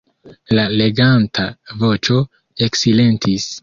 La leganta voĉo eksilentis.